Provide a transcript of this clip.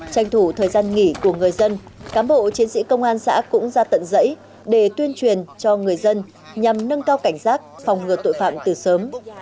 tranh thủ thời gian nghỉ của người dân cán bộ chiến sĩ công an xã cũng ra tận dãy để tuyên truyền cho người dân nhằm nâng cao cảnh giác phòng ngừa tội phạm từ sớm